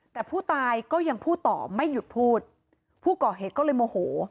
แต่ผู้ตายก็ยังพูดต่อไม่หยุดพูดผู้ก่อเหตุก็เลยโมโห